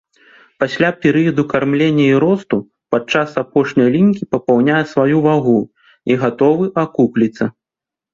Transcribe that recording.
Пасля перыяду кармлення і росту, падчас апошняй лінькі папаўняе сваю вагу і гатовы акукліцца.